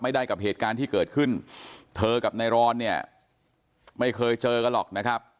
กับเหตุการณ์ที่เกิดขึ้นเธอกับนายรอนเนี่ยไม่เคยเจอกันหรอกนะครับ